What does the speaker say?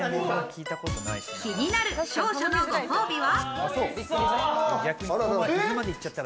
気になる勝者のご褒美は？